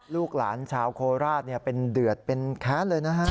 ลูกหลานชาวโคราชเป็นเดือดเป็นแค้นเลยนะฮะ